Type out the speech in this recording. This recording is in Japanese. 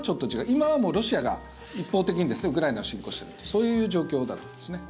今はロシアが一方的にウクライナを侵攻しているそういう状況ですね。